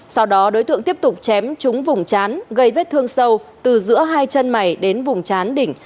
sau đó đối tượng tiếp tục chém trúng vùng chán gây vết thương sâu từ giữa hai chân mày đến vùng chán đỉnh